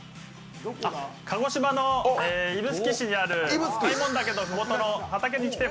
鹿児島の指宿市にある開聞岳のふもとです。